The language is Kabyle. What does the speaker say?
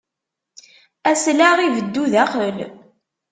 Aslaɣ ibeddu daxel.